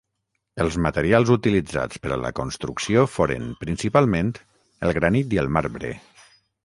Els materials utilitzats per a la construcció foren, principalment, el granit i el marbre.